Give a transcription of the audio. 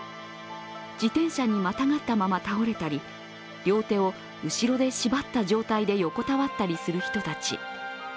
自転車にまたがったまま倒れたり両手を後ろで縛った状態で横たわったりする人たち。